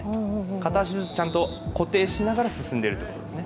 片足ずつちゃんと固定しながら進んでいるということですね。